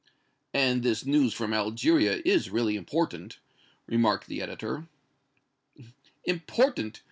"And this news from Algeria is really important," remarked the editor. "Important!